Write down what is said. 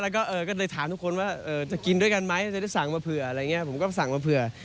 แล้วก็เลยถามทุกคนว่าจะกินด้วยกันไหมจะได้สั่งมาเผื่อผมก็สั่งมาเผื่อ